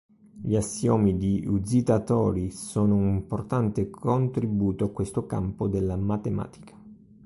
Gli assiomi di Huzita-Hatori sono un importante contributo a questo campo della matematica.